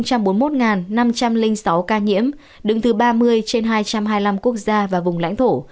từ đầu dịch đến nay việt nam có ba triệu bốn mươi một năm trăm linh sáu ca nhiễm đứng thứ ba mươi trên hai trăm hai mươi năm quốc gia và vùng lãnh thổ